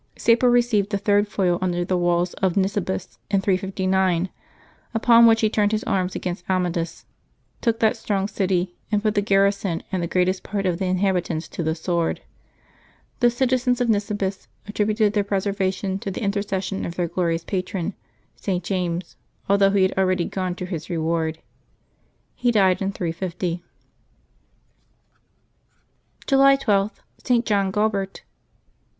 Sapor received a third foil under the walls of Nisibis, in 359, upon which he turned his arms against Amidus, took that strong city, and put the garrison and the greatest part of Jolt 12] LIVES OF THE SAINTS 247 the inhabitants to the sword. The citizens of [N'isibis at tributed their preservation to the intercession of their glorious patron, St. James, although he had already gone to his reward. He died in 350. July 12.— ST. JOHN GUALBERT.